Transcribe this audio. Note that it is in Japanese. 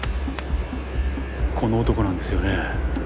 この男なんですよね？